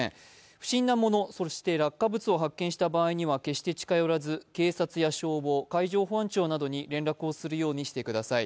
不審なもの、そして落下物を発見した場合には決して近寄らず、警察や消防、海上保安庁などに連絡をするようにしてください。